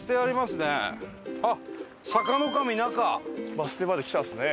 バス停まで来たっすね。